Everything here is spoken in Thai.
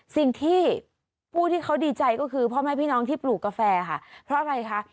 สิ่งที่ผู้ที่เขาดีใจก็คือพ่อแม่พี่น้องที่ปลูกกาแฟค่ะเพราะอะไรคะ